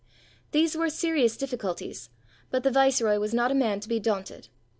These were serious difficulties; but the viceroy was not a man to be daunted.